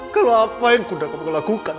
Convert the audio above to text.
kalau apa yang aku undang undang lakukan